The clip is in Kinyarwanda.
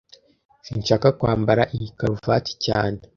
Sinshaka kwambara iyi karuvati cyane